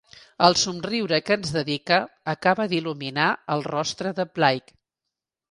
El somriure que ens dedica acaba d'il·luminar el rostre de Bligh.